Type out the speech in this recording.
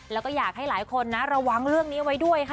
แล้วก็อยากให้หลายคนนะระวังเรื่องนี้ไว้ด้วยค่ะ